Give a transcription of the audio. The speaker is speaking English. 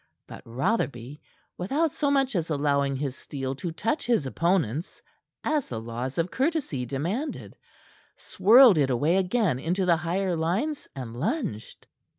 But Rotherby, without so much as allowing his steel to touch his opponent's, as the laws of courtesy demanded, swirled it away again into the higher lines and lunged.